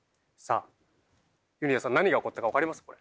さあゆりやんさん何が起こったか分かります？